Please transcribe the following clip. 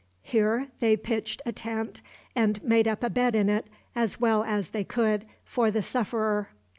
Here they pitched a tent, and made up a bed in it, as well as they could, for the sufferer.